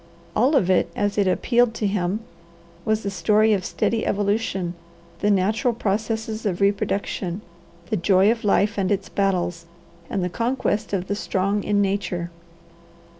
All of it, as it appealed to him, was the story of steady evolution, the natural processes of reproduction, the joy of life and its battles, and the conquest of the strong in nature.